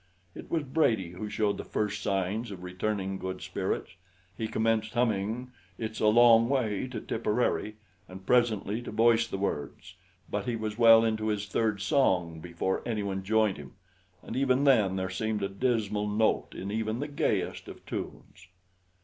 It was Brady who showed the first signs of returning good spirits. He commenced humming "It's a Long Way to Tipperary" and presently to voice the words, but he was well into his third song before anyone joined him, and even then there seemed a dismal note in even the gayest of tunes.